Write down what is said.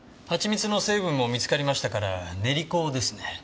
ハチミツの成分も見つかりましたから練香ですね。